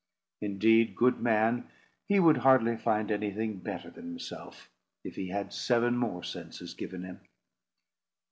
Indeed, good man, he would hardly find anything better than himself, if he had seven more senses given him."